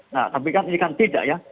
nah tapi kan ini kan tidak ya